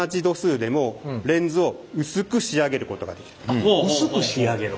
あっ薄く仕上げる。